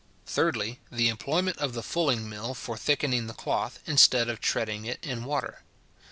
Thirdly, the employment of the fulling mill for thickening the cloth, instead of treading it in water.